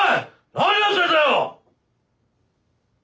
何やってんだよ！